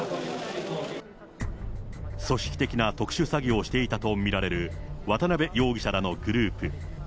組織的な特殊詐欺をしていたと見られる渡辺容疑者らのグループ。